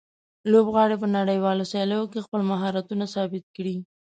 لوبغاړي په نړیوالو سیالیو کې خپل مهارتونه ثابت کړي.